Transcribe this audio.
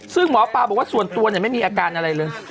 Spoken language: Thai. ซึ่งหมอปลาบอกว่าส่วนตัวไม่มีอาการอะไรเลย